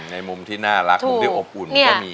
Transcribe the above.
ในมุมที่น่ารักมุมที่อบอุ่นก็มี